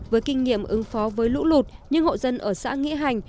với kinh nghiệm ứng phó với lũ lụt những hộ dân ở xã nghĩa hành